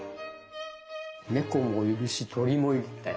ネコもいるし鳥もいるんだよ。